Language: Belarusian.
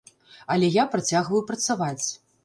Але я працягваю працаваць.